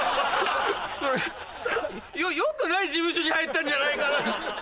それよくない事務所に入ったんじゃないかな？